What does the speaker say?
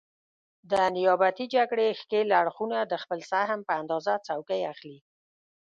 د نیابتي جګړې ښکېل اړخونه د خپل سهم په اندازه څوکۍ اخلي.